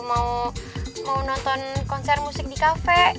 mau nonton konser musik di kafe